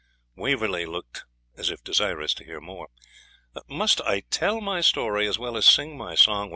Waverley looked as if desirous to hear more. 'Must I tell my story as well as sing my song?